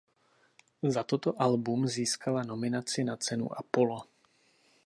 Za toto album získala nominaci na Cenu Apollo.